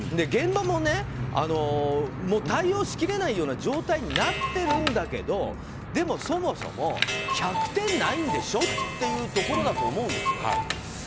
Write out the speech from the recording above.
現場もね、対応しきれないような状態になってるんだけどでも、そもそも１００点ないんでしょうというところだと思うんですよ。